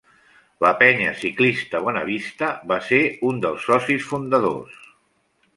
La Penya Ciclista Bonavista fa ser un dels socis fundadors.